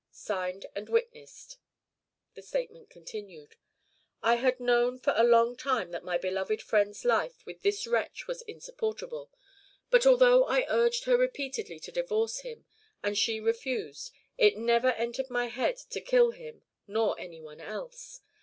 Signed and witnessed. The statement continued: "I had known for a long time that my beloved friend's life with this wretch was insupportable, but although I urged her repeatedly to divorce him and she refused, it never entered my head to kill him nor any one else.